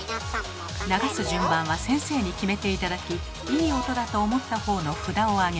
流す順番は先生に決めて頂きいい音だと思った方の札を挙げます。